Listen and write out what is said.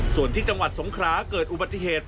ส่วนที่จังหวัดสงคราเกิดอุบัติเหตุ